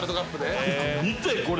見てこれ。